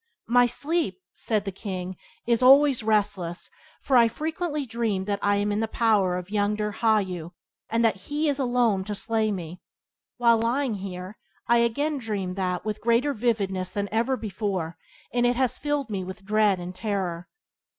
"My sleep", said the king "is always restless, for I frequently dream that I am in the power of young Dirghayu and that he is alone to slay me. While lying here I again dreamed that with greater vividness than ever before and it has filled me with dread and terror.